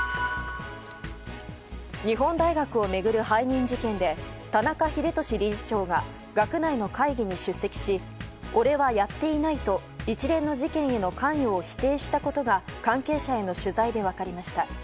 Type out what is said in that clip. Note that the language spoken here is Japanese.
日本大学を巡る背任事件で田中英壽理事長が今日学内の会議に出席し俺はやっていないと一連の事件への関与を否定したことが関係者への取材で分かりました。